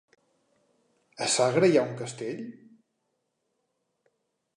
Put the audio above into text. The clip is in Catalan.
A Sagra hi ha un castell?